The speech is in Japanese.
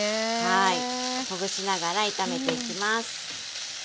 ほぐしながら炒めていきます。